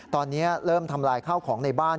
ตอนนี้เริ่มทำลายข้าวของในบ้าน